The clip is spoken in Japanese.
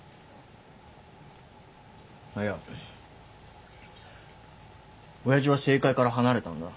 いやおやじは政界から離れたんだ。